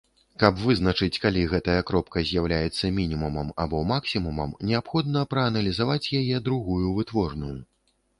Каб вызначыць, калі гэтая кропка з'яўляецца мінімумам або максімумам, неабходна прааналізаваць яе другую вытворную.